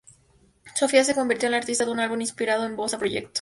Sofía se convirtió en la artista de un álbum inspirado en bossa-proyecto.